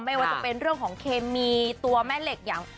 ไม่ว่าจะเป็นเรื่องของเคมีตัวแม่เหล็กอย่าง